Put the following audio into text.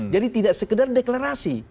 jadi tidak sekedar deklarasi